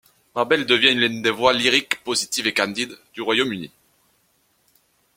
Mabel deviens l'une des voix lyriques positives et candides du Royaume-Uni.